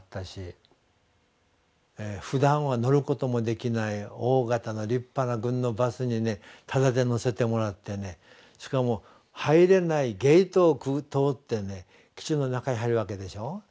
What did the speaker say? ふだんは乗ることもできない大型の立派な軍のバスにただで乗せてもらってねしかも入れないゲートを通って基地の中へ入るわけでしょう。